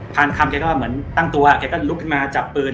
พาร์นคำเกาก็ตั้งตัวเกาก็ลุกมาจับปืน